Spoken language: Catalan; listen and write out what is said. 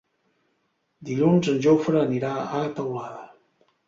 Dilluns en Jofre anirà a Teulada.